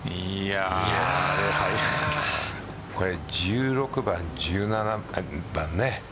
１６番、１７番ね。